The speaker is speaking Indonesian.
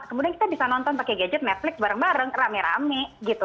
kemudian kita bisa nonton pakai gadget netflix bareng bareng rame rame gitu